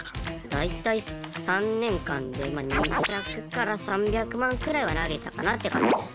大体３年間で２００から３００万くらいは投げたかなって感じです。